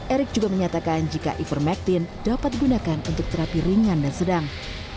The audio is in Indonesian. erick juga menyatakan jika ivermectin dapat digunakan untuk terapi ringan dan sedang